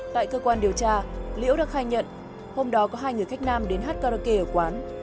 tại cơ quan điều tra liễu đã khai nhận hôm đó có hai người khách nam đến hát karaoke ở quán